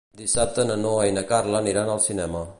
Dissabte na Noa i na Carla aniran al cinema.